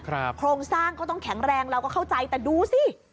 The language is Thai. โครงสร้างก็ต้องแข็งแรงเราก็เข้าใจแต่ดูสิ